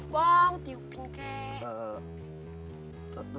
bang tiupin kek